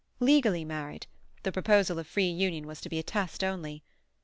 Legally married; the proposal of free union was to be a test only.